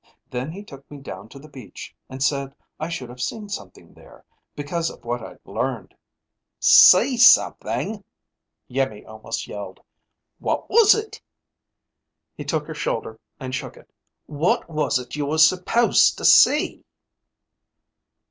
Then he took me down to the beach and said I should have seen something there, because of what I'd learned." "See something?" Iimmi almost yelled. "What was it?" He took her shoulder and shook it. "What was it you were supposed to see?"